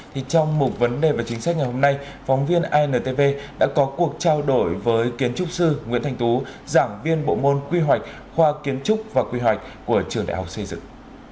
thì trong một vấn đề và chính sách ngày hôm nay phóng viên intv đã có cuộc trao đổi với kiến trúc sư nguyễn thanh tú giảng viên bộ môn quy hoạch khoa kiến trúc và quy hoạch của trường đại học xây dựng